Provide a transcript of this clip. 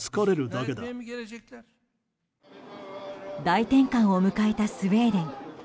大転換を迎えたスウェーデン。